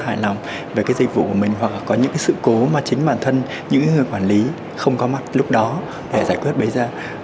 chúng tôi rất hài lòng về cái dịch vụ của mình hoặc có những sự cố mà chính bản thân những người quản lý không có mặt lúc đó để giải quyết bây giờ